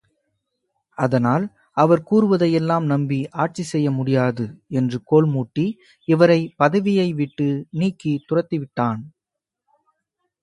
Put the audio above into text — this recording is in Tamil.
அதனால், அவர் கூறுவதையெல்லாம் நம்பி ஆட்சி செய்யமுடியாது, என்று கோள்மூட்டி, இவரைப் பதவியை விட்டு நீக்கித் துரத்திவிட்டான்!